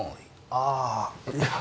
ああ。